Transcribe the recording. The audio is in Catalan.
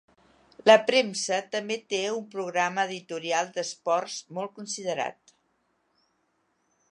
La premsa també té un programa editorial d'esports molt considerat.